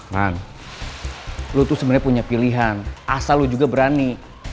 man lu tuh sebenernya punya pilihan asal lu juga berani